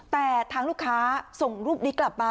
แต่ทางลูกค้าส่งรูปนี้กลับมา